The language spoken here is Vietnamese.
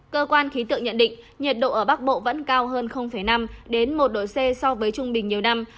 cơ quan khí tượng nhận định nhiệt độ ở bắc bộ vẫn cao hơn năm một độ c so với trung bình nhiều năm